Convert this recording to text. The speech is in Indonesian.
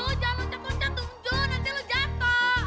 aduh jo jangan loncat loncat tung jun nanti lu jatuh